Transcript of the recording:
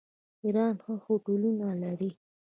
ایران ښه هوټلونه لري.